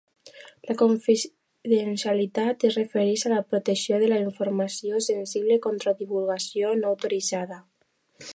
La confidencialitat es refereix a la protecció de la informació sensible contra la divulgació no autoritzada.